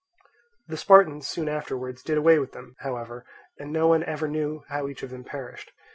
The Spartans, however, soon afterwards did away with them, and no one ever knew how each of them perished.